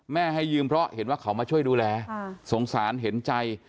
ให้ยืมเพราะเห็นว่าเขามาช่วยดูแลสงสารเห็นใจ